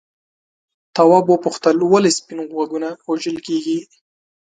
تواب وپوښتل ولې سپین غوږونه وژل کیږي.